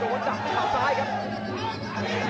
กำลังจะเด้งตี